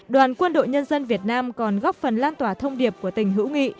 đoàn quân đội nhân dân việt nam còn góp phần lan tỏa thông điệp của tình hữu nghị